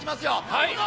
いくぞ！